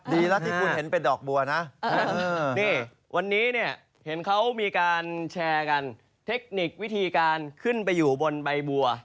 ดีแล้วที่คุณเห็นเป็นดอกบัวนะนี่วันนี้เนี่ยเห็นเขามีการแชร์กันเทคนิควิธีการขึ้นไปอยู่บนใบบัว